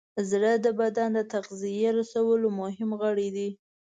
زړه د بدن د تغذیې رسولو مهم غړی دی.